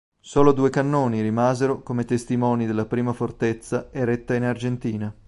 Solo due cannoni rimasero come testimoni della prima fortezza eretta in Argentina.